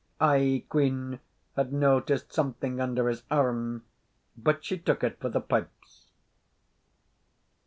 Ae quean had noticed something under his arm, but she took it for the pipes.